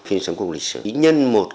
phim sống cùng lịch sử nhân một